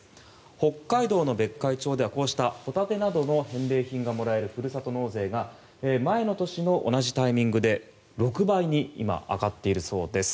北海道の別海町ではこうしたホタテなどの返礼品がもらえるふるさと納税が前の年の同じタイミングで６倍に今、上がっているそうです。